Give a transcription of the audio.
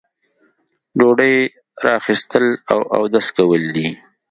ډوډۍ را اخیستل او اودس کول دي.